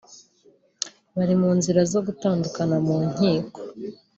bari mu nzira zo gutandukana mu Nkiko